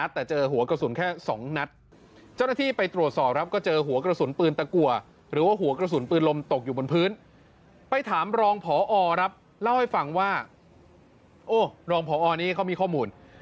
ถามรองผอรับเล่าให้ฟังว่าโอ๊ะรองผอนี้เขามีข้อมูล